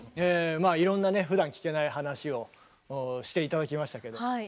まあいろんなねふだん聞けない話をして頂きましたけども。